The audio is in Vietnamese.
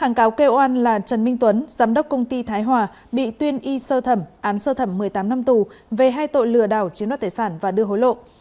bốn giám đốc công ty thái hòa bị tuyên y sơ thẩm án sơ thẩm một mươi tám năm tù về hai tội lừa đảo chiếm đoạt tài sản và đưa hối lộ